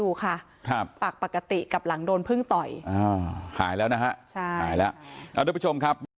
เอามาจากสวนครับสวนที่บ้าน